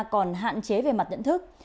còn hạn chế về mặt nhận thức